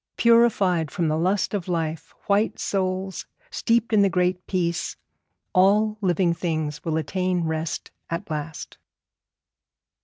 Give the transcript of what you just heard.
Purified from the lust of life, white souls steeped in the Great Peace, all living things will attain rest at last.